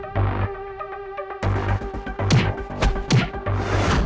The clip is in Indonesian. begini sih sustainability juara